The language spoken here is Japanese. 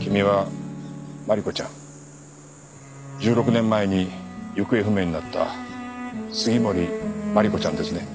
君はまりこちゃん１６年前に行方不明になった杉森真梨子ちゃんですね？